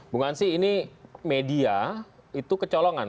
bung ansi ini media itu kecolongan